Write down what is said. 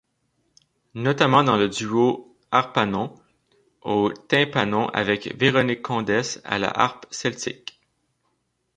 Notamment dans le Duo Harpanon, au tympanon avec Véronique Condesse à la harpe celtique.